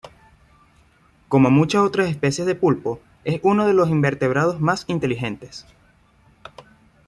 Como muchas otras especies de pulpo, es uno de los invertebrados más inteligentes.